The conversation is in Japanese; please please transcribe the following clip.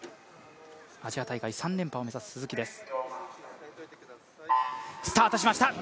アジア大会３連覇を目指す鈴木です